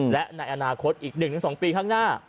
และในอนาคตอีก๑๒ปีข้างหน้า